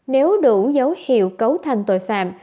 nếu đủ dấu hiệu cấu thanh tội phạm